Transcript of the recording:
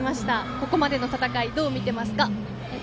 ここまでの戦いどう見ていますか。